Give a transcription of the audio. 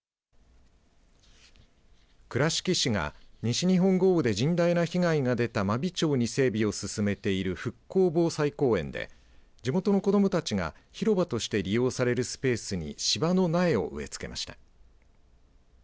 倉敷市が西日本豪雨で甚大な被害が出た真備町に整備を進めている復興防災公園で地元の子どもたちが広場として利用されるスペースに芝の苗を植え付けました。